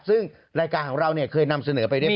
ซึ่งรายการของเราเคยนำเสนอไปเรียบ